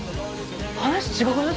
話違くない？